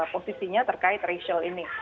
posisinya terkait racial ini